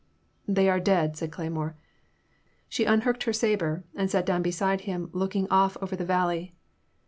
They are dead," said Cleymore. She un hooked her sabre, and sat down beside him look ing off over the valley.